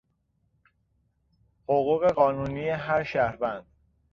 حقوق قانونی هر شهروند